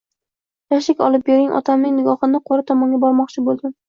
– «Shashlik» olib bering, – otamning nigohini qo‘ra tomonga burmoqchi bo‘ldim.